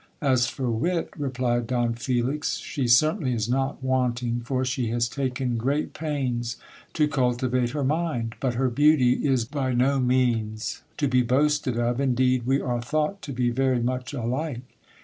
As for wit, replied Don Felix, she certainly is not wanting, for she has taken great pains to cultivate her mind. But her beauty is by no means to be boasted of ; indeed, we are thought to be very much alike.